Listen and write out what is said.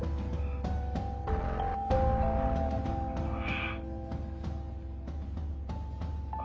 「ああ」